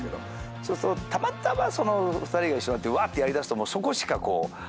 そうするとたまたま２人が一緒になってわってやりだすと。